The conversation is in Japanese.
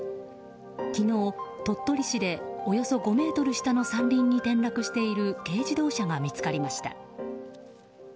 昨日、鳥取市でおよそ５ｍ下の山林に転落している軽自動車が見つかりました。